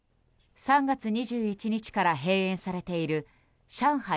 ３月２１日から閉園されている上海